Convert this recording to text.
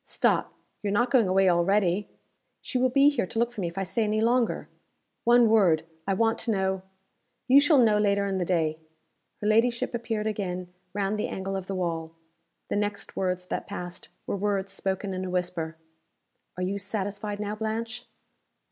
Stop! you're not going away already?" "She will be here to look for me if I stay any longer." "One word! I want to know " "You shall know later in the day." Her ladyship appeared again round the angle of the wall. The next words that passed were words spoken in a whisper. "Are you satisfied now, Blanche?"